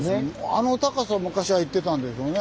あの高さ昔は行ってたんでしょうね。